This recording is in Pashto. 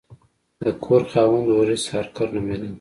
د کور خاوند هورس هارکر نومیده.